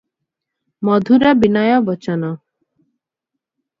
ମଧୁର ବିନୟ ବଚନ ।